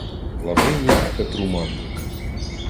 Лавинії к Петру мандрик